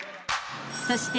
［そして］